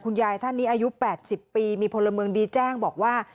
ยายท่านนี้อายุ๘๐ปีมีพลเมืองดีแจ้งบอกว่า